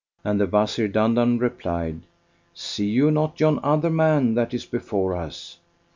And the Wazir Dandan replied, "See you not yon other man that is before us?